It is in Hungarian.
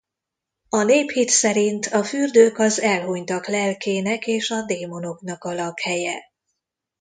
A néphit szerint a fürdők az elhunytak lelkének és a démonoknak a lakhelye.